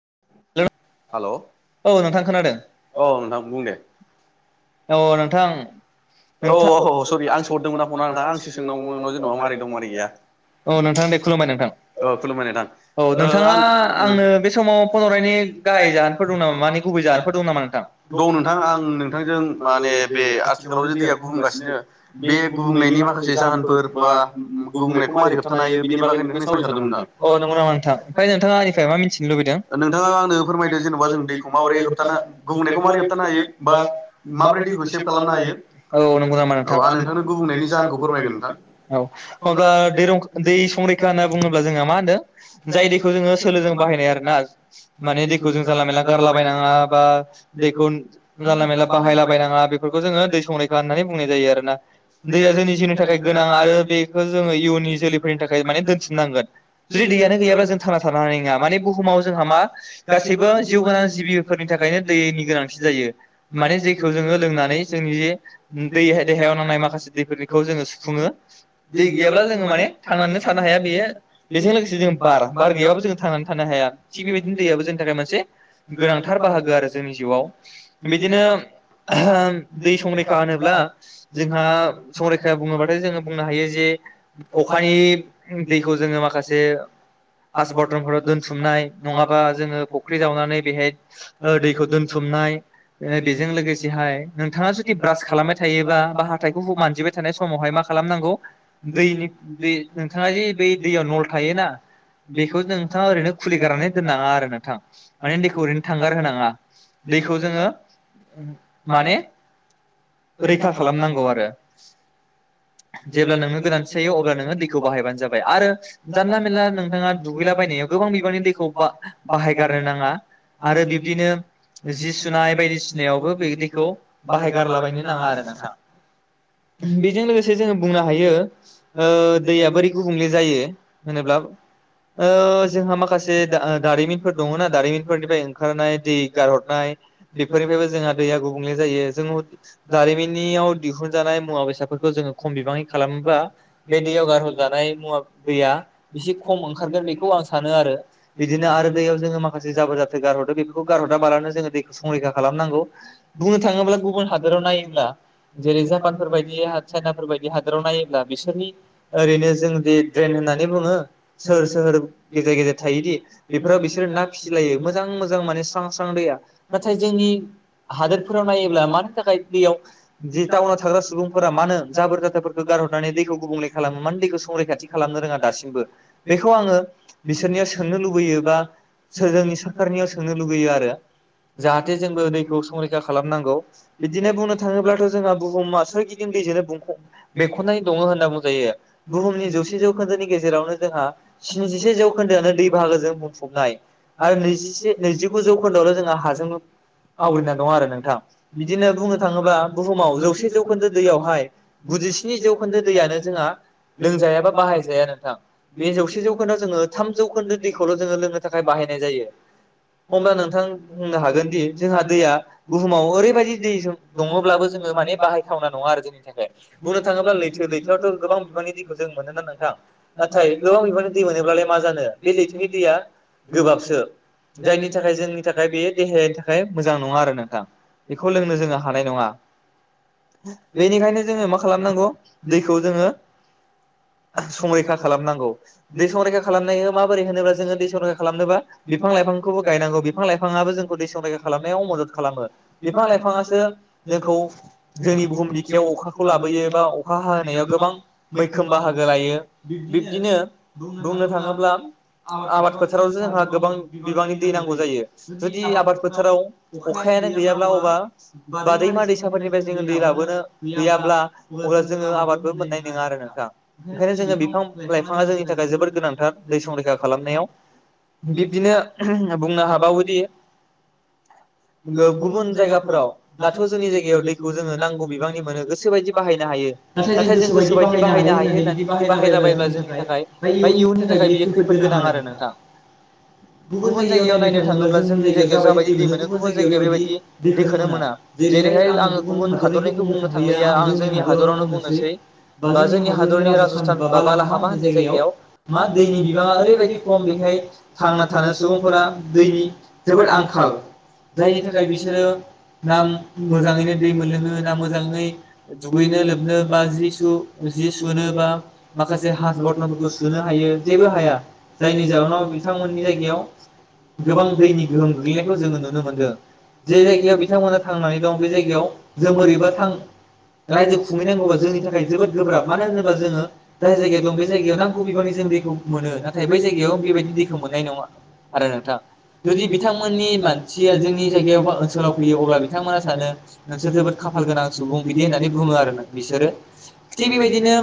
[unintelligible] Hello औ नोंथां खोनादों औ नोंथां बुं दे औ नोंथां नोंथां दे खुलुमबाय नोंथां औ नोंथाङा आंनो बे समाव फन हरनायनि गाहाय जानोफोर दं नामा मानैे गुबै जानोफोर दं नामा नोंथां दं नोंथां आं नोंथांजों। माने बे आथिखालाव जे दैया गुबुंगासिनो बे गुबुंनायनि माखासे जाहोनफोर बा गुबुंनायखौ मारै होबथानो हायो बेनि बागै नोंथांनि सायाव सानदोंमोन नों नोंथाङा आंनो फोरमायदो जेनेबा जों दैखौ माबोरै होबथाना गुबुंनायखौ मारै होबथानो हायो बा माबायदि कुइसन खालामनो हायो औ नंगौ नामा आं नोंथांनो गुबुंलेनि जाहोनखौ फोरमायगोन नोंथां औ अब्ला दै दै संरैखा होनना बुङोब्ला जोंहा मा होनो जाय दैखौ जोङो सोलोजों बाहायनाय आरो ना माने दै खौ जों जानला मोनला गारला बनाङा बा दैखौ जानला मानला बाहायलाबायनाङा बेफोरखौ जोङो दै संनाय खालामनानै बुंनाय जायो आरोना। दैया जोंनि जिउनि थाखाय गोनां आरो बेखौ जोङो इयुननि जोलैफोरनि थाखाय माने दोनथुमनांगोन। जुदि दैयानो गैयाबा जों थाना थानो हानाय नङा माने बुहुमाव जोंहा मा गासैबो जिउ गोनां जिबिफोरनि थाखायनो दैनि गोनांथि जायो। माने जेखौ जोङो लोंनानै जोंनि जे दै देहायाव नांनाय माखासे दैखौ जोङो सुफुङो दै गैयाब्ला जोङो माने थांनानैनो थानो हाया। बेयो बेजों लोगोसे जों बार बार गैयाबाबो जों थांनानै थानो हाया। थिग बेबायदिनो दै आबो जोंनि थाखाय मोनसे गोनांथार बाहागो आरो जोंनि जिउआव बिद दिनो दै संरैखा होनोब्ला जोंहा संरैखा बुङोबथाय जोङो बुंनो हायो जे अखानि दैखौ जोङो माखासे हास बरथनफोराव दोनथुमनाय नङाबा जोङो फुख्रि जावनानै बेहाय ओ दैखौ दोनथुमनाय। ओ बेजों लोगोसेहाय नोंथाङा जुदि ब्रास खालामबाय थायोबा बा हाथाइखौ मानजिबाय थानाय समावहाय मा खालामनांगौ दैनि दै नोंथाङा जे बै दैयाव नल थायोना बेखौ नोंथाङा ओरैनो खुलिगारनानै दोननाङा आरो। माने दैखौ ओरैनो थांगार होनाङा। दैखौ जोङो माने रैखा खालामनांगौ आरो जेब्ला नोंनो गोनांथि जायो अब्ला नोङो दैखौ बाहायबानो जाबाय। आरो जानला मेनला नोंथाङा दुगैलाबायायनायाव गोबां बिबांनि दैखौ बा बाहायगारनो नाङा। आरो बिब्दिनो जि सुनाय बायदि सिनायावबो बे दैखौ बाहाय गारला बायनो नाङा आरो नोंथां। बेजों लोगोसे जोङो बुंनो हायो ओ दैया बोरै गुबुंले जायो? होनोब्ला ओ जोंहा माखासे दा आ दारिमिनफोर दङ ना दारिमिनफोरनिफ्राय ओंखारनाय दै गारहरनाय। फोरनिफायबो जोंहा दैया गुबुंले जायो। जों जारिमिनियाव दिहुनजानाय मुवा बेसादफोरखो जोङो खम बिबाङै खालामोबा बे दैयाव गारहरजानाय मुवा दैया एसे खम ओंखारगोन बेखौ आं सानो आरो। बिदिनो आरो दैयाव जोङो माखासे जाबोर जाथोर गारहदो बेफोरखौ गारहरा बालानो जोङो दैखौ संरैखा खालामनांगौ बुंनो थाङोब्ला गुबुन हादोराव नायोब्ला जेरै जापानफोर बायदि हा चाइनाफोर बायदि हादोराव नायोब्ला बिसोरनि ओरैनो जों दि ड्रेन होननानै बुङो सोहोर सोहोर गेजेर गेजेर थायोदि। बेफोराव बिसोरो ना फिलायो मोजां मोजां माने स्रां स्रां दैया। नाथाय जोंनि हादोरफोराव नायोब्ला मानि थाखाय दैयाव जे टाउनाव थाग्रा सुबुंफोरा मानो जाबोर जाथोरफोरखौ गारहरनानै दैखौ गुबुंले खालामो मानो दैखौ संरैखाथि खालामनो रोङा दासिमबो बेखौ आङो बिसोरनियाव सोंनो लु बैयो बा सोर जोंनि साखारनियाव सोंनो लुुगैयो आरो। जाहाथे जोंबो दैखौ संरैखा खालामनांगौ। बिदिनो बुंनो थाङोब्लाथ जोंहा बुहुमा सोरगिदिं दैजोंनो बुंख बेंखनाय दङ होनना बुंजायो। बुहुमनि जौसे जौखोन्दोनि गेजेरावनो जोंहा स्निजिसे जौखोन्दोआनो दै बाहागो जों बुंफबनाय आरो नैजि से नैजिगु जौखोन्दोआवनो जोंहा हा जों आवग्रिना दं आरो नोंथां। बिदिनो बुंनो थाङोब्ला बुहुमाव जौसे जौखोन्दो दैयावहाय गुजि स्नि जौखोन्दो दैयानो जोंहा लोंजाया बा बाहायजाया नोंथां बे जौसे जौखोनदो खोनो जोङो थाम जौखोन्दो दैखौ खौल जोङो लोंनो थाखाय बाहायनाय जायो। अब्ला नोंथां बुंनो हागोनदि जोंहा दैया बुहुमाव ओरैबायदि दै ज दङब्लाबो जोङो माने बाहायथावना नङा आरो जोंनि थाखाय बुंनो थाङोब्ला लैथो लैथोआवथ गोबां बिबांनि दैखौ जों मोनोना नोंथां नाथाय गोबां बिबांनि दै मोनोब्लालाय मा जानो बे लैथोनि दैया गोबाबसो जायनि थाखाय जोंनि थाख फ्राय बे देहानि थाखाय मोजां नङा आरो नोंथां बेखौ लोंनो जोङो हानाय नङा बेनिखायनो जोङो मा खालामनांगौ दैखौ जोङो संरैखा खालामनांगौ दै संरैखा खालामनायखो माबोरै होनोबा जोंङो दै संरैखा खालामनोबा बिफां लाइफांखौबो गायनांगौ बि जों सं खालामनायाव मदद खालामो बिफां लाइफाङासो जोंखौ जोंनि बुहुम बिखायाव अखाखौ लाबोयो बा अखा हानायाव गोबां मैखोम बाहागो लायो बिब्दिनो बुंनो थाङोब्ला आबाद फोथारावसो जोंहा गोबां बिबांनि दै नांगौ जायो। जुदि आबाद फोथाराव अखायानो गैयाब्ला अब्ला बा दैमा दैसाफोरनिफ्राय जोङो दै लाबोनो गैयाब्ला अब्ला जोङो आबादबो मोननाय नङा आरो नोंथां ओंखायनो जोङो बिफां लाइफाङा जोंनि थाखाय जोबोद गोनांथार दै संरैखा खालामनायाव बिब्दिनो बुंनो हाबावो दि गुबुन जायगाफोराव दाथ' जोंनि जायगायाव दैखौ जोङो नांगौ बिबांनि मोनो गोसो बायदि बाहायनो हायो नाथाय जों गोस बायदि बाहायनो हायो होननानै बिदि बाहायला बायब्ला जोंनि थाखाय बा इयुननि थाखाय बिदि खैफोद गोनां आरो नोंथां गुबुन जायगायाव नायनो थाङोब्ला जोंनि जायगायाव जाबाय दै मोनो गुबुन जायगायाव बिबादि दैखोनो मोना जेरैहाय आङो गुबुन हादरनिखौ बुंनो थांलिया आं जोंनि हादरावनो बुंनोसै बा जोंनि हादरनि राजस्तान बा बालाहामा होननाय जायगायाव मा दैनि बिबाङा ओरैबायदि खम बेहाय थांना थानो सुबुंफोरा दैनि जोबोद आंखाल जायनि थाखाय बिसोरो ना मोजाङैनो दै मोनलोङो ना मोजाङै दुगैनो लोबनो बा जि सु-जि सुनो बा माखासे हास बरथनफोरखौ सुनो हायो जेबो हाया। जायनि जाहोनाव बिथांमोननि जायगायाव गोबां दैनि गोहोम गोग्लैनायखौ जोङो नुनो मोनदों जे जायगायाव बिथांमोना थांनानै दं बे जायगायाव जों बोरैबा थां रायजो खुंहैनांगौबा जोंनि थाखाय जोबोद गोब्राब मानो होनोबा जोङो जाय जायगायाव दं बे जायगायाव नांगौ बिबांनि जों दैखौ मोनो ना नाथाय बै जायगायाव बेबायदि दैखौ मोननाय नङा आरो नोंथां। जुदि बिथांमोननि मानसिया जोंनि जायगायाव बा ओनसोलाव फैयो अब्ला बिथांमोना सानो नोंसोर जोबोद खाफाल गोनां सुबुं बिदि होननानै बुङो आरो नी बिसोरो थिग बेबायदिनो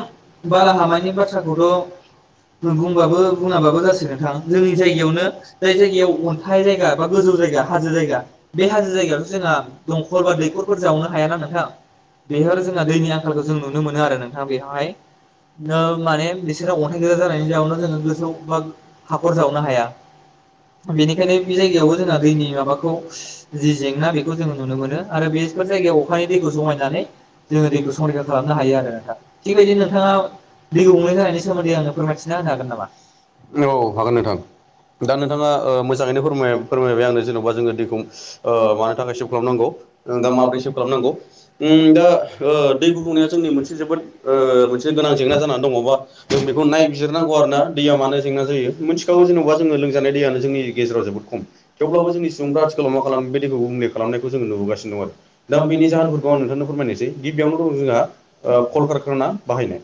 बालाहामानि बाथ्राखौथ' बुंबाबो बुङाबाबो जासै नोंथाङा जोंनि जायगायावनो जाय जायगायाव अ न्थाइ जायगा बा गोजौ जायगा हाजो जायगा बे हाजो जायगायावथ' जोंहा दंखल बा दैखरफोर जावनो हायाना नोंथां बेयाव जोंहा दैनि आंखालखौ जों नुनो मोनो आरो नोंथां बेयावहाय नो माने बिसोरो अन्थाइ गोजा जानायनि जाउनाव जोङो थौ बा हाखर जावनो हाया बिनि बेखायनो बे जायगायावबो जोंहा दैनि माबाखौ जि जेंना बेखौ जोङो नुनो मोनो आरो बेफोर जायगायाव अखानि दैखौ जायनानै जोङो दैखौ संरैखा खालामनो हायो आरो नोंथां थिगबायदि नोंथाङा दैखौ गुबुंले जानायनि सोमोन्दै आंनो फोरमायथिना होनो हागोन नामा? औ हागोन नोंथां दा नोंथाङा मोजाङै फोर फोरमायबाय आंनो जेन'बा जोङो दैखौ मानो थाखाय सेभ खालामनांगौ दा माबोरै सेभ खालामनांगौ उम दा दै गुबुंनाया जोंनि मोनसे जोबोद मोनसे गोनां जेंना जानानै दङबा जों बेखौ नायबिजिरनांगौ आरो ना। दैया मानो जेंना जायो मोनथिखागौ जेनेबा जोङो लोंजानाय दैयानो जोंनि थेवब्लाबो जोंनि सुबुंफ्रा आथिखालाव मा खालाम बेबायदिखौ गुबुंले खालामनायखौ जोङो नुबोगासिनो दं आरो दा बेनि जाहोनफोरखौ आं नोंथांनो फोरमायनोसै गिबियावनो दं जोंहा कलकारखाना बाहायनाय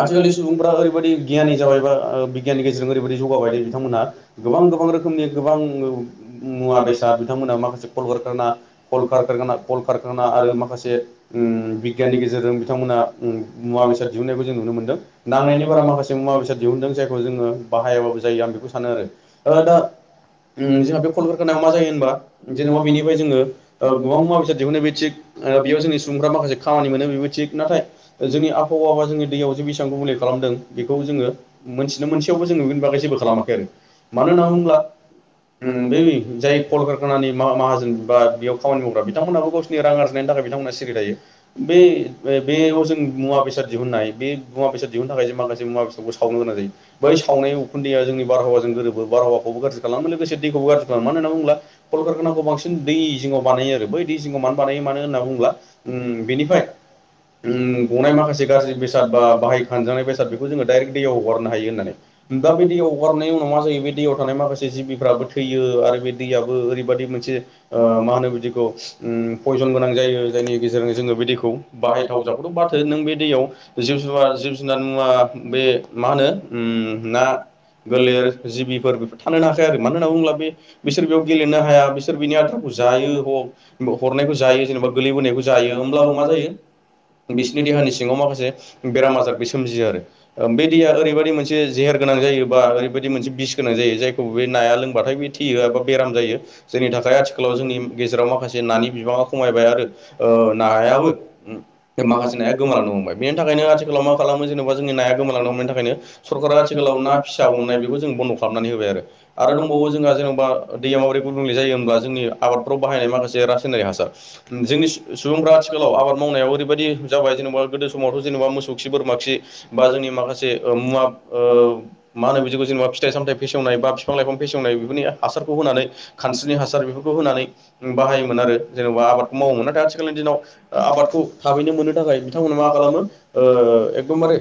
आथिखालनि सुबुंफ्रा ओरैबायदि गियानि जाबायबा बिगियाननि गेजेरजों ओरैबायदि जौगाबायदि बिथांमोना गोबां गोबां रोखोमनि गोबां मुवा बेसाद बिथांमोनहा माखासे कल कारखाना कल खाराना कल कारखाना आरो माखासे बिगियाननि गेजेरजों बिथांमोना मुवा बेसाद दिहुननायखौ जों नुनो मोनदों। नांनायनि बारा माखासे मुवा बेसाद फोर दिहुनदों जायखौ जोङो बाहायाबाबो जायो आं बेखौ सानो आरो। ओ दा जोंहा बे कल कारखानायाव मा जायो होनबा जेनेबा बेनिफ्राय जोङो गोबां मुवा बेसाद दिहुनो बे थिग बेयाव जोंनि सुबुंफ्रा माखासे खामानि मोनो बेबो थिग नाथाय जोंनि आबहावा बा जोंनि दैयाव जे बेसेबां गुबुंले खालामदों बेखौ जोङो मोनथिनो मोनसेयावबो जों नुगोन बै जेबो खालामाखै आरो। मानो होनना बुङोब्ला बै जाय कलकारखानानि माहाजोन बा बेयाव खामानि मावग्रा बिथांमोनहाबो गावसिनि रां आरजिनायनि थाखाय बिथांमोनहा सिरि थायो बे-बेयाव जों मुवा बेसाद दिहुननाय बे मुवा बेसाद दिहुननो थाखाय जों माखासे मुवा बेसादखौ सावनो गोनां जायो बै सावनाय उखुन्दैया जोंनि बारहावाजों गोरोबो। बारहावाखौबो गाज्रि खालामो लोगोसे दैखौबो गाज्रि खालामो। मानो होनना बुंब्ला कल कारखानाखौ बांसिन दै जिङाव बानायो आरो बै दै जिङाव मानो बानायो माने होनना बुंब्ला बेनिफ्रायाय गनाय माखासे गाज्रि बेसाद बा बाहाय खांजानाय बेसाद बेखौ जोङो डाइरेक्ट दैयाव हगारनो हायो होननानै दा बे दैयाव हगारनाय उनाव मा जायो बे दैयाव थानाय माखासे जिबिफ्राबो थैयो आरो बे दैयाबो ओरैबादि मोनसे मा होनो बिदिखौ पयजन गोनां जायो। जायनि गेजेरजों जोङो बे दैखौ बाहायथाव जाबाथ' बाथ हो नों बे दैयाव जिब जुनार जिब जुनार मुवा बे मा होनो ना गोलेर जिबिफोर बेफोर थानोनो हाखाया आरो मानो होनना बुङोब्ला बे बिसोर बेयाव गेलेनो हाया बिसोर बिनि आद्राखौ जायो हरनायखौ जायो जेनेबा गोलैबोनायखौ जायो होमब्लाबो मा जायो बिसोरनि देहानि सिङाव माखासे बेराम आजार सोमजियो आरो। दैया ओरैबायदि मोनसे जेेहेर गोन जायोबा ओरैबायदि मोनसे गोनां जायो जायखौ बे नाया लोंबाथाय बे थैयो एबा बेराम जायो जोंनि थाखाय आथिखालाव जोंनि गेजेराव माखासे नानि बिबाङा खमायबाय आरो नायाबो माखासे नाया गोमालांनो हमबाय बेनि थाखायनो आथिखालाव मा खालामो जेनेबा जोंनि नाया गोमां हमनायनि नि थाखायनो सरकारा आथिखालाव ना फिसा हमनाय बेखौ जों जों बन्द' खालामनानै होबाय आरो दंबावो जोंहा जेनेबा दैया माबोरै गुबुुंले जायो होनोमब्ला जोंनि आबादफ्राव बाहायनाय माखासे रासायनारि हासार जोंनि सुबुंफ्रा आथिखालाव आबाद मावनायाव ओरैबायदि जाबाय जेनेबा गोदो समावथ' जेनेबा मोसौ खि बोरम खि बा जों माखासे मुवा मा होनो बिदि फेसेवनाय बा बिफां- लाइफां फेसेवनाय बेफोरनि हासारखौ होनानै खानस्रिनि हासार बेफोरखौ होनानै बाहायोमोन आरो जेन'बा आबादखौ मावोमोन नाथाय आथिखालनि दिनाव आबादखौ थाबैनो मोननो थाखाय बिथांमोना मा खालामो एकदमबारे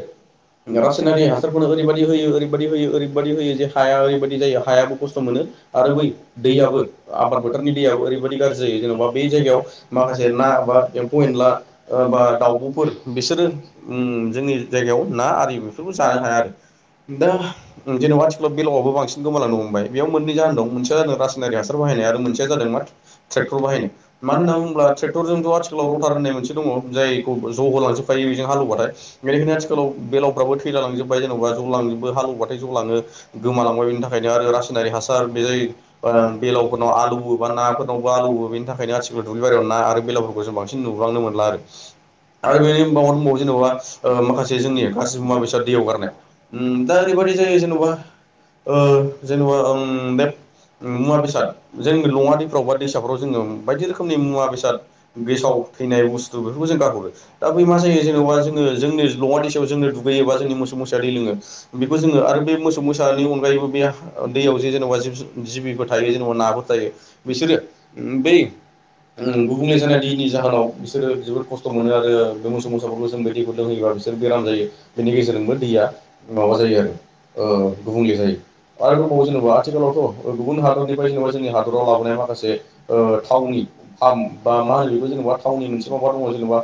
रासायनारि हासारखौ ओरैबादि होयो ओरैबायदि होयो ओरैबायदि होयो हाया ओरैबायाददि जायो हायाबो खस्थ' मोनो आरो बै दैयाबो आबाद फोथारनि दैयाबो ओरैबायदि गाज्रि जायो जेन'बा बे जायगायाव माखासे ना बा एम्फौ एनला बा दाउब'फोर बिसोरो जोंनि जायगायाव ना आरो। जों बेफोरखौ जानो हाया आरो। बेलावबो बांसि गोमालांनो हमबाय बेयाव मोननै जाहोन दं मोनसेया जादों रासायनारि हासार बाहायनाय आरो मोनसेया जादों मा ट्रेक्टर बाहायनो मानो होनना बुोब्ला ट्रेक्टरजोंथ' आथिखालाव रथार होननाय मोनसे दङ जायखौ ज' होलांजोबखायो बेजों हालौबाथाय बेनिखायनो आथिखालाव बेलाव फ्राबो थैलालांजोबबाय जेन'बा जलांजोबो हालेवबाथाय जलाङो गोमालांबाय बेनि थाखायनो आरो रासायनारि हासार बे जाय बेलावफोराव आलौवो बा नाफोरनावबो आलौवो बेनि थाखायनो आथिखालाव दुब्लि बारियाव ना आरो बेलावफोरखौ जों बांसिन नुबांनो मोनला आरो बेनि मादाव दंबावो जेनेबा माखासे जोंनि गासिबो मुवा बेसाद दैयाव गारनाय ओ दा ओरैबायदि जायो जेन'बा ओ जेनेबा ओ बे मुवा बेसाद जोंनि लङा दैफ्राव बा दैसाफ्राव जोङो बायदि रोखोमनि मुवा बेसाद गेसाव थैनाय बुस्थु बेफोरखौ जों गारहरो, दा बै मा जायो जेनेबा जोङो -जोंनि लङा दैसायाव जोङो [unintelligible] जोंनि मोसौ-मोसाया दै लोङो बेखौ जों आरो मोसौ- मोसा अनगायैबो बे दैयाव जे जेनेबा जि -जिबिफोर थायो जेनेबा नाफोर थायो बिसोरो बै गुबुंले जानाय दैनि जाहोनाव बिसोरो जोबोर खस्थ' मोनो आरो बे मोसौ मोसाफोर गोसोम बायदि दैफोर लोंहैयोबा बिसोर बेराम जायो। बेनि गेजेरजोंबो दैया माबा जायो आरो ओ गुबुंले जायो आरो दंबावो जेनेबा आथिखालावथ' गुबुन हादरनिफ्राय जेनेबा जोंनि हादराव लाबोनाय माखासे ओ थावनि फार्म बा मा होनो बेखौ जेनेबा थावनि मोनसे माबा दङ जेनेबा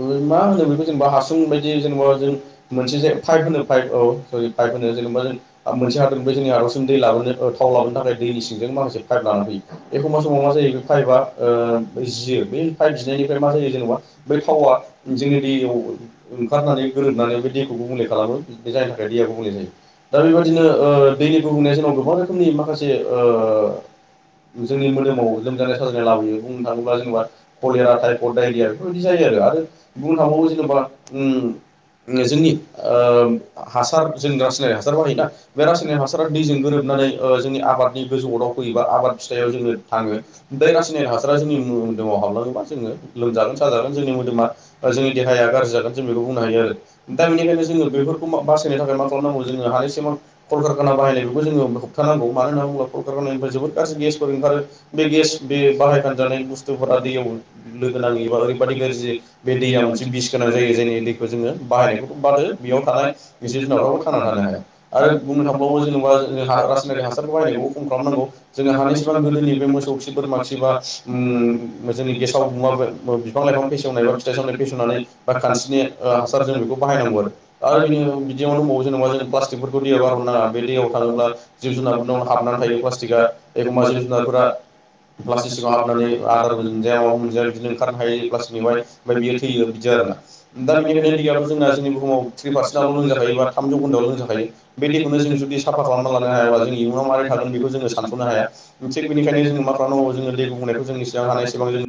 ओ मा होनो बेखौ जेनेबा [unintelligible] बादि जेनेबा जों मोनसे जाय फाइभ होनो फाइभ सरि पाइप होनो जेनेबा जों मोनसे हादरनिफ्राय जोंनि हादरावसिम दै लाबोनो, थाव लाबोनो थाखाय दैनि सिंजों माखासे पाइप लाना फैयो। एखमबा समाव मा जायो बे पाइपआ जियो। बे पाइप जिनायनिफ्राय मा जायो जेनेबा बै थावा जोंनि दैयाव ओंखारनानै गोरोबनानै बे दैखौ गुबुंले खालामो। दैया गुबुंले जायो। दा बेबादिनो ओ दैनि गुबुंनाया जोंनाव गोबां रोखोमनि माखासे ओ जोंनि मोदोमाव लोमजानाय साजानाय लाबोयो। बुंनो थाङोब्ला जेनेबा कलेरा, टाइफयेड, डायरिया बेफोरबायदि जायो आरो बुंनो थांबावो जेनेबा ओम ओ जोंनि ओ हासार जों रासायनारि हासार बाहायोना, बे रासायनिक हासारा दैजों गोरोबनानै जोंनि आबादनि गोजौआव दावखोयोबा आबाद फिथाइयाव जोङो थाङो। बे रासायनिक हासारा जोंनि मोदोमाव हाबलाङोबा जोङो लोमजागोन साजागोन जोंनि मोदोमा जोंनि देहाया गाज्रि जागोन। जों बेखौ बुंनो हायो आरो। दा बेनिखायनो जोङो बेफोरखौ [unintelligible] थाखाय मा खालामनांगौ जोङो, हानायसेमां कलकारखाना बाहायनाय बेखौ जोङो होबथानांगौ। मानो होनना बुङोब्ला कलकारखानानिफ्राय जोबोद गाज्रि गेसफोर ओंखारो, बे गेस बे बाहाय फानजानाय बुस्थुफोरा दैयाव लोगो नाङैयोबा ओरैबायदि गाज्रि बे दैया मोनसे बिस गोनां जायो। जोंनि दैखौ जोङो बाहायनायखौ बाद हो बेयाव थानाय जिब जुनारफ्रावबो थांना थानो हाया। आरो बुंनो थांबावो जेनेबा जोंनि रासायनारि हासारखौ बाहायनायखौ खम खालामनांगौ जोङो हानायसेबां गोदोनि बे मोसौ खि, बोरमा खि, बा जोंनि गेसाव बुमाबो बिफां-लाइफां फेसेवनाय, बा फिथाइ सामथाय फेसवनानै बा खानस्रि बिनि हासारजों बेखौ बाहायनांगौ आरो। आरो बेनो बिदियावनो दंबावो जेनेबा जों प्लास्टिकफोरखौ दैयाव गारहरनो नाङा। बे दैयाव थाङोब्ला जिब- जुनारफोरनाव हाबनानै थायो प्लास्टिकआ। एखमबा जिब-जुनारफोरा प्लास्टिक सिङाव हाबनानै आदारबो मोनजाया माबो मोनजाया बिदिनो ओंखारनो हायै जायो प्लास्टिकनिफ्राय, ओमफ्राय बियो थैयो बिदि आरोना। दा बेनिखायनो दैयाथ' जोंना जोंनि बुहुमाव थ्रि पारसेन्ट जाल' लोंजाखायोबा, थाम जौखोनदोयाल' लोंजाखायो। बे दैखौ जों जुदि साफा खालामनानै लानो हायाब्ला जों इउनाव मारै थागोन बेखौ जोङो सानसनो हाया। थिक बेनिखायनो मा खालामनांगौ जोङो दै गुबुंनायखौ जों जेसेबां हानायसेबां जों